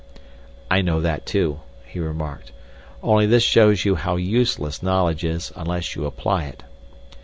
"I know that too," he remarked. "Only this shows you how useless knowledge is unless you apply it.